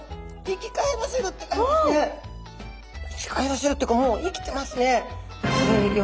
生き返らせるっていうかもう生きてますね。